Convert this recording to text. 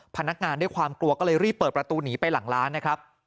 พนักงานด้วยความกลัวก็เลยรีบเปิดประตูหนีไปหลังร้านนะครับ